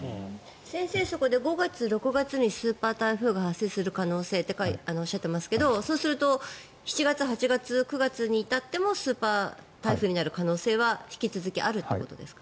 先生５月、６月にスーパー台風が発生する可能性とおっしゃってますが７月８月９月に至ってもスーパー台風になる可能性は引き続きあるということですか？